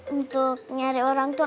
untuk nyari orang tua